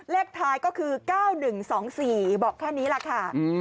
เลขท้ายก็คือ๙๑๒๔บอกแค่นี้แหละค่ะ